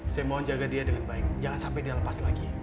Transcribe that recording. saya mohon jaga dia dengan baik jangan sampai dia lepas lagi